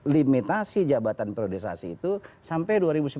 limitasi jabatan priorisasi itu sampai dua ribu sembilan belas